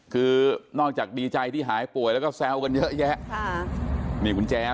คือนอกจากดีใจที่หายป่วยและแซวกันเยอะแยะ